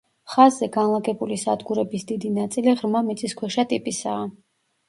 ხაზზე განლაგებული სადგურების დიდი ნაწილი ღრმა მიწისქვეშა ტიპისაა.